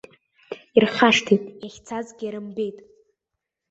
Ирхашҭит, иахьцазгьы рымбеит.